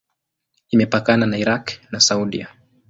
Imepakana na Irak na Saudia.